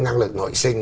năng lực nội sinh